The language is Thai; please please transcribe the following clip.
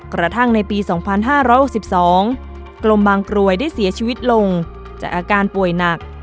กระทั่งในปี๒๕๖๒กรมบางกรวยได้เสียชีวิตลงจากอาการป่วยหนัก